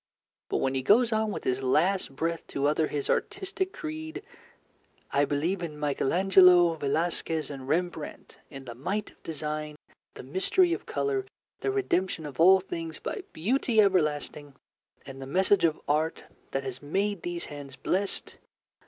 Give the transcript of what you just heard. But when he goes on with his last breath to utter his artistic creed: "I believe in Michael Angelo, Velasquez, and Rembrandt; in the might of design, the mystery of colour, the redemption of all things by Beauty everlasting, and the message of Art that has made these hands blessed.